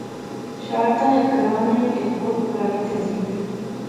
شاردا ہیک گراں نئیں یک بہوں پرانی تہذیب دی